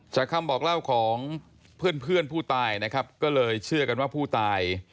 คำบอกเล่าของเพื่อนเพื่อนผู้ตายนะครับก็เลยเชื่อกันว่าผู้ตาย